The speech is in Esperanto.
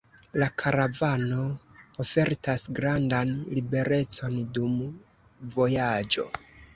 La karavano ofertas grandan liberecon dum vojaĝo.